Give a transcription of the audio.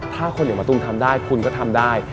ถ้าคนเห็นว่าตุ๋นทำได้คุณก็ทำได้